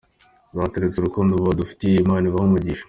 Batweretse urukundo badufitiye, Imana ibahe umugisha”.